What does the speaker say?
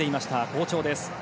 好調です。